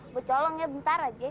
buat coba lo ngeliat bentar aja ya